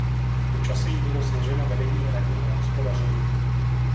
Po čase jí bylo svěřeno vedení hradního hospodaření.